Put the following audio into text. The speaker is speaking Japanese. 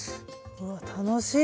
うわ楽しい！